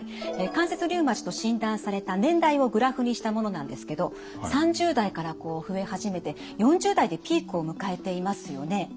関節リウマチと診断された年代をグラフにしたものなんですけど３０代からこう増え始めて４０代でピークを迎えていますよね。